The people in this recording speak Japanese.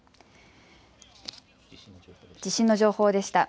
地震の情報でした。